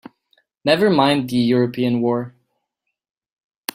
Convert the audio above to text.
Never mind the European war!